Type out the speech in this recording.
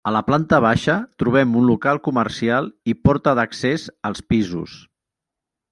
A la planta baixa, trobem un local comercial i porta d'accés als pisos.